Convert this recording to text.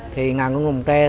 thì ngàn con rồng tre